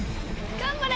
頑張れ。